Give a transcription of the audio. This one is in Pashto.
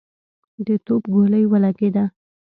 د توپ ګولۍ ولګېده.